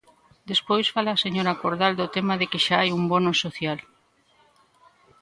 Despois fala a señora Cordal do tema de que xa hai un bono social.